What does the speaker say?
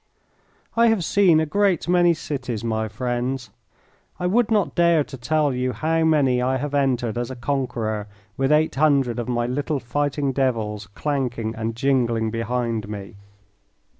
I have seen a great many cities, my friends. I would not dare to tell you how many I have entered as a conqueror with eight hundred of my little fighting devils clanking and jingling behind me.